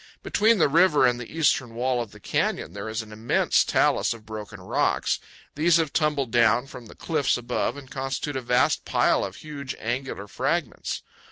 Between the river and the eastern wall of the canyon there is an immense talus of broken rocks. These have tumbled down from the cliffs above and constitute a vast pile of huge angular fragments.